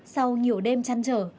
sau nhiều đêm trăn trở